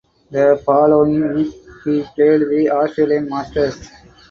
The following week he played the Australian Masters.